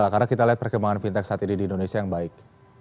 karena kita lihat perkembangan fintech saat ini di indonesia yang baik